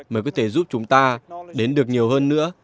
mới có thể giúp chúng ta đến được nhiều hơn nữa